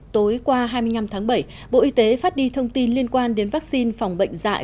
tối qua hai mươi năm tháng bảy bộ y tế phát đi thông tin liên quan đến vaccine phòng bệnh dạy